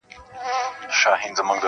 • درته موسکی به وي نامرده رقیب -